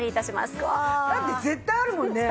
だって絶対あるもんね。